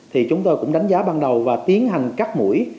thì chúng tôi cũng đánh giá ban đầu và tiến hành cắt mũi